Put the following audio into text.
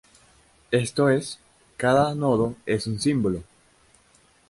Esto es, cada nodo es un símbolo.